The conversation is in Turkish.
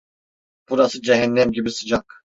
Burası cehennem gibi sıcak.